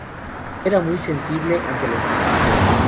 Era muy sensible ante la injusticia.